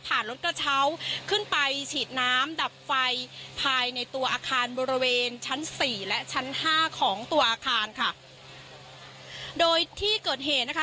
รถกระเช้าขึ้นไปฉีดน้ำดับไฟภายในตัวอาคารบริเวณชั้นสี่และชั้นห้าของตัวอาคารค่ะโดยที่เกิดเหตุนะคะ